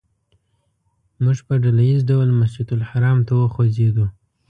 موږ په ډله ییز ډول مسجدالحرام ته وخوځېدو.